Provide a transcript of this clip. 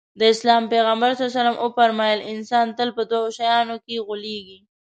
د اسلام پيغمبر ص وفرمايل انسان تل په دوو شيانو کې غولېږي.